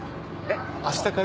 えっ？